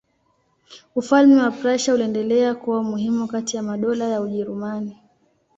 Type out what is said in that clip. Ufalme wa Prussia uliendelea kuwa muhimu kati ya madola ya Ujerumani.